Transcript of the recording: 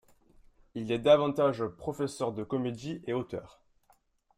Il est davantage professeur de comédie et auteur.